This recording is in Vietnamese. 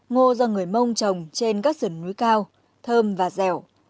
ngô do người mông trồng trên các sườn núi cao thơm và dẻo